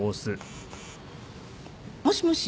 もしもし？